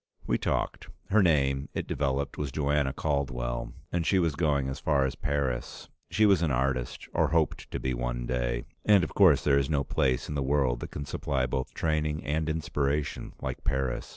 We talked. Her name, it developed, was Joanna Caldwell, and she was going as far as Paris. She was an artist, or hoped to be one day, and of course there is no place in the world that can supply both training and inspiration like Paris.